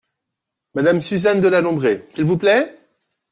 Madame Suzanne de La Bondrée, s’il vous plaît ?